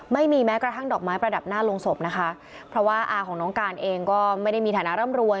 ไม่มีแม้กระทั่งดอกไม้ประดับหน้าโรงศพนะคะเพราะว่าอาของน้องการเองก็ไม่ได้มีฐานะร่ำรวย